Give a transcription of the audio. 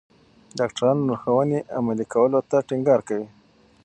ډاکټران لارښوونې عملي کولو ته ټینګار کوي.